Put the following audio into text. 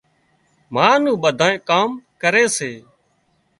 ما نُون ٻڌُونئي ڪام ڪري سي